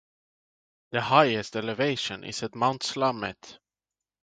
The highest elevation is at Mount Slamet.